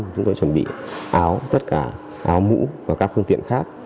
chúng tôi chuẩn bị áo tất cả áo mũ và các phương tiện khác